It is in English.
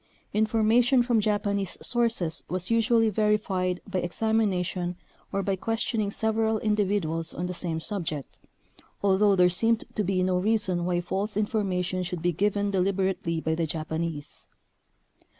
In formation from Japanese sources was usually verified by examination or by questioning sev eral individuals on the same subject, although there seemed to be no reason why false infor mation should be given deliberately by the Japanese.